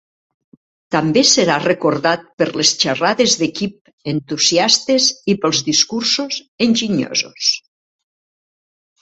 També serà recordat per les xerrades d'equip entusiastes i pels discursos enginyosos.